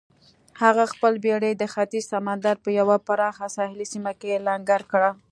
هغه خپله بېړۍ د ختیځ سمندر په یوه پراخه ساحلي سیمه کې لنګر کړه.